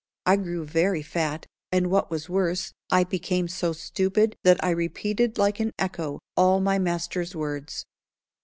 I grew very fat, and what was worse, I became so stupid that I repeated like an echo all my master's words.